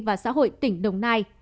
và xã hội tỉnh đồng nai